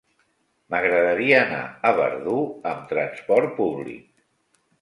M'agradaria anar a Verdú amb trasport públic.